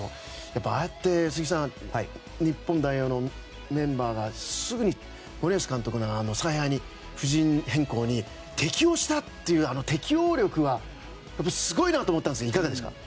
やっぱりああやって日本代表のメンバーがすぐに森保監督の采配布陣変更に適応したという適応力がすごいなと思ったんですがいかがですか？